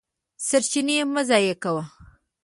سرچینې مه ضایع کوه.